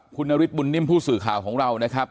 คุณนฤทธบุญนิ่มผู้สื่อข่าวของเรานะครับ